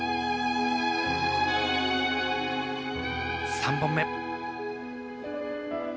３本目。